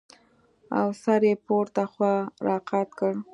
او سر يې پورته خوا راقات کړ.